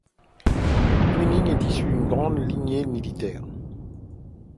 Twining est issu d'une grande lignée militaire.